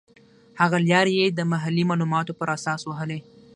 هغه لیارې یې د محلي معلوماتو پر اساس وهلې.